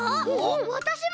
わたしも！